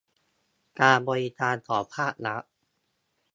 การบริการของภาครัฐ